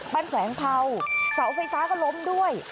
แสงเผาเสาไฟฟ้าก็ล้มด้วย